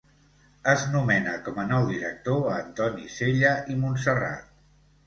Es nomena com a nou director a Antoni Sella i Montserrat.